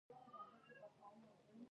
سید رومي په زغرده امیر ته ویلي دي.